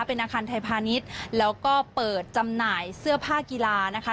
เป็นอาคารไทยพาณิชย์แล้วก็เปิดจำหน่ายเสื้อผ้ากีฬานะคะ